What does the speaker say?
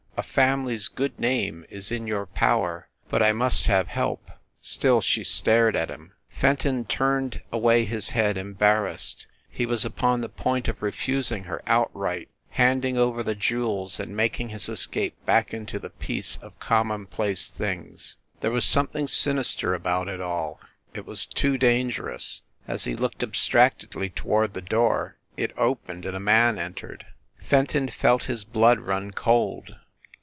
... A family s good name is in your power. ... But I must have help." Still she stared at him. Fenton turned away his head, embarrassed. He was upon the point of refusing her outright, hand ing over the jewels and making his escape back into the peace of commonplace things. There was some thing sinister about it all. It was too dangerous. As he looked abstractedly toward the door it opened and a man entered. Fenton felt his blood run cold.